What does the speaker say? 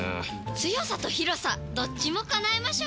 強さと広さどっちも叶えましょうよ！